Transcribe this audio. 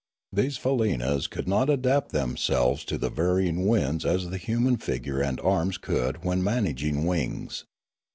These faleenas could not adapt themselves to the varying winds as the human figure and arms could when managing wings.